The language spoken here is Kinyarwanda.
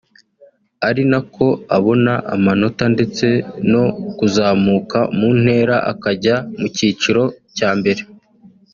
ari nako abona amanota ndetse no kuzamuka mu ntera akajya mu cyiciro cya mbere